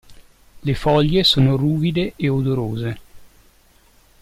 Le foglie sono ruvide e odorose.